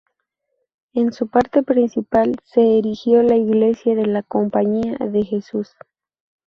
En su parte principal se erigió la Iglesia de la Compañía de Jesús.